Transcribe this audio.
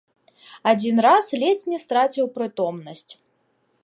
Адзін раз ледзь не страціў прытомнасць.